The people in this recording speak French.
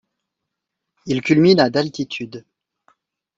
Il culmine a d'altitude.